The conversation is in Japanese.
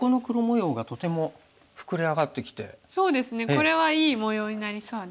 これはいい模様になりそうです。